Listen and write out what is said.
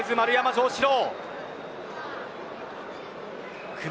日本、丸山城志郎。